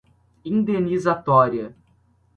indenizatória